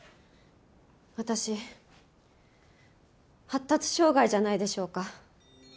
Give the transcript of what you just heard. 私発達障害じゃないでしょうか？